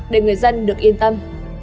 để người dân được yên tâm